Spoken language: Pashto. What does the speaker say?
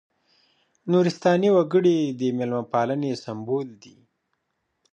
نورستاني وګړي د مېلمه پالنې سمبول دي.